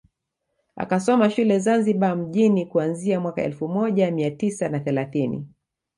Akasoma shule Zanzibar mjini kuanzia mwaka elfu moja mia tisa na thelathini